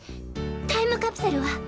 タイムカプセルは？